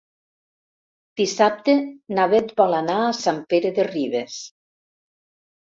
Dissabte na Beth vol anar a Sant Pere de Ribes.